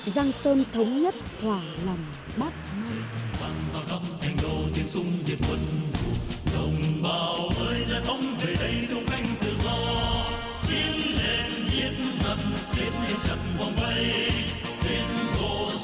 giang sơn thống nhất thỏa lòng bắt mắt